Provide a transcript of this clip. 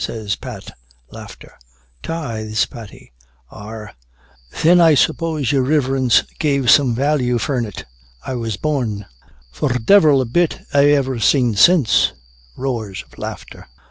says Pat. 'Tithes! Paddy.' 'Arrah! thin I suppose your Riverence gave some value fornint I was born; for divil a bit I ever seen since (roars of laughter).